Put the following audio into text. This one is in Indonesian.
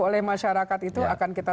oleh masyarakat itu akan kita